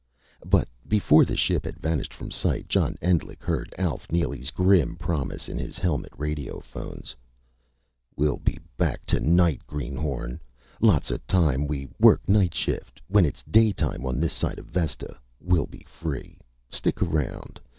But before the ship had vanished from sight, John Endlich heard Alf Neely's grim promise in his helmet radiophones: "We'll be back tonight, Greenhorn. Lots of times we work night shift when it's daytime on this side of Vesta. We'll be free. Stick around.